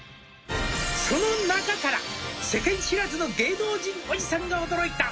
「その中から世間知らずの芸能人おじさんが驚いた」